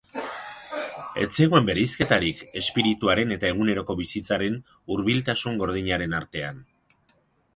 Ez zegoen bereizketarik espirituaren eta eguneroko bizitzaren hurbiltasun gordinaren artean.